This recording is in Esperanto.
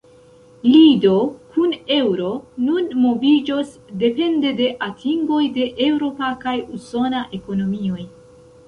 Lido kun eŭro nun moviĝos depende de atingoj de eŭropa kaj usona ekonomioj.